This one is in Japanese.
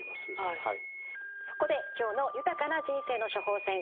そこで今日の「豊かな人生の処方せん」